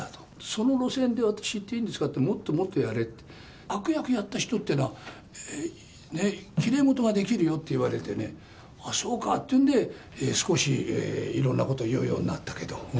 その路線で、私いっていいんですかって、もっともっとやれって、悪役やった人というのは、きれいごとができるよって言われてね、ああ、そうかっていうんで、少し、いろんなこと言うようになったけど。